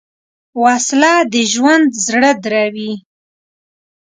وسله د ژوند زړه دروي